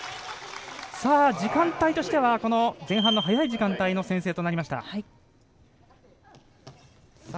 時間帯としては前半の早い時間帯の先制となりました。